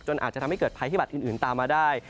อาจจะทำให้เกิดภัยพิบัตรอื่นตามมาได้